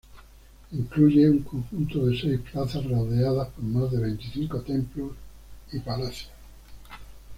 Incluye un conjunto de seis plazas rodeadas por más de veinticinco templos y palacios.